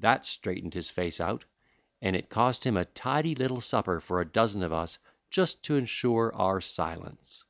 That straightened his face out, and it cost him a tidy little supper for a dozen of us just to insure our silence.